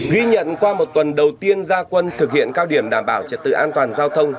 ghi nhận qua một tuần đầu tiên gia quân thực hiện cao điểm đảm bảo trật tự an toàn giao thông